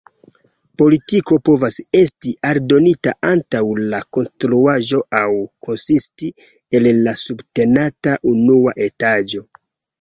Portiko povas esti aldonita antaŭ la konstruaĵo aŭ konsisti el la subtenata unua etaĝo.